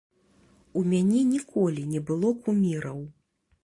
У мяне ніколі не было куміраў.